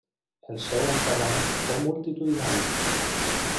El seu enterrament fou multitudinari.